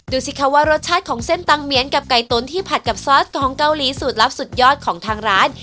ดูสิคะว่ารสชาติของเส้นตังเมียนกับไก่ตุ๋นที่ผัดกับซอสของเกาหลีสูตรลับสุดยอดของทางร้าน